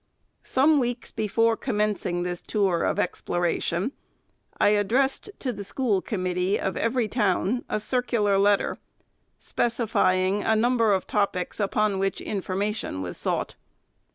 Some weeks before commencing this tour of explora tion, I addressed to the school committee of every town a circular letter, specifying a number of topics upon which information was sought.